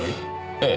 ええ。